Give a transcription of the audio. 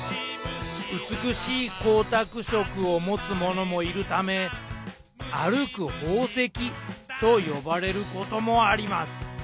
美しい光沢色を持つものもいるため「歩く宝石」と呼ばれることもあります。